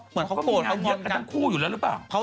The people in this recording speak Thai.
คุณต้องคออยู่รึเปล่า